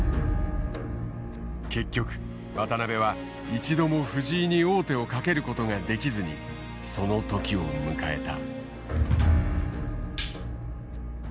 結局渡辺は一度も藤井に王手をかけることができずにその時を迎えた。